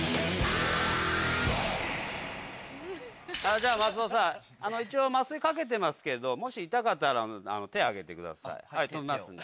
じゃ松尾さん一応麻酔かけてますけどもし痛かったら手上げてください止めますんで。